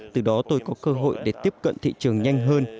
từ đó tôi có cơ hội để tiếp cận thị trường nhanh hơn